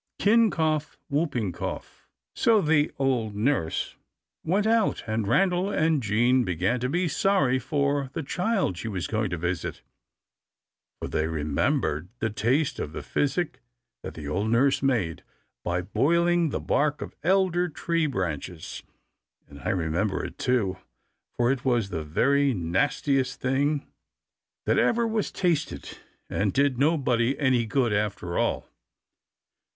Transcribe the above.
* Kincough, whooping cough. So the old nurse went out, and Randal and Jean began to be sorry for the child she was going to visit. For they remembered the taste of the physic that the old nurse made by boiling the bark of elder tree branches; and I remember it too, for it was the very nastiest thing that ever was tasted, and did nobody any good after all.